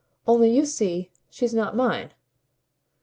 Only you see she's not mine."